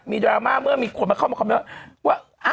มีดราม่าเมื่อมั้ยมีคนมาข้อมูล